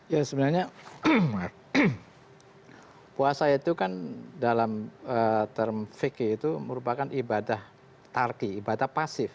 ya sebenarnya puasa itu kan dalam term fiqi itu merupakan ibadah tarki ibadah pasif